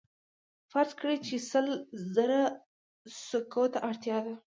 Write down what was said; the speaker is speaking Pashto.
فرض کړئ چې سل زره سکو ته اړتیا ده